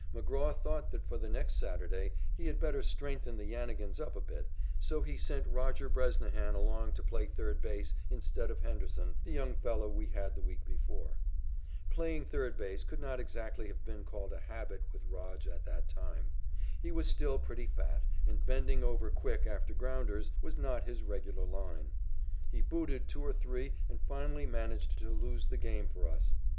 McGraw thought that for the next Saturday he had better strengthen the Yannigans up a bit, so he sent Roger Bresnahan along to play third base instead of Henderson, the young fellow we had the week before. Playing third base could not exactly have been called a habit with "Rog" at that time. He was still pretty fat, and bending over quick after grounders was not his regular line. He booted two or three and finally managed to lose the game for us.